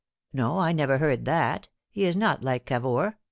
No, I never heard that. He is not like Cavour."